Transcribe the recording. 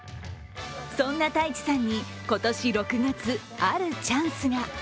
そんな太智さんに今年６月あるチャンスが。